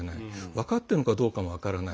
分かっているのかも分からない。